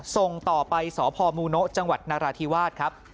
ส่งต่อไปสพมูโนะจังหวัดนราธิวาสครับ